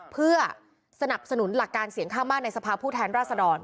เพื่อสนับสนุนหลักการเสียงข้างมากในสภาพผู้แทนราษดร